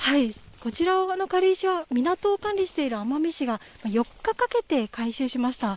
こちらの軽石は、海を管理している奄美市が、４日かけて回収しました。